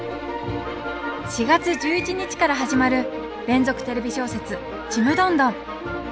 ４月１１日から始まる連続テレビ小説「ちむどんどん」。